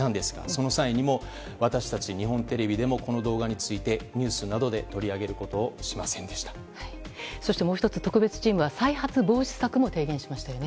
その際には私たち日本テレビでもこの動画についてニュースなどでそしてもう１つ、特別チームは再発防止策も提言しましたよね。